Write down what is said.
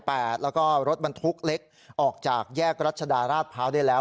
แล้วก็รถบรรทุกเล็กออกจากแยกรัชดาราชพร้าวได้แล้ว